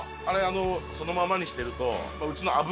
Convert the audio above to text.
あれそのままにしてるとうちの。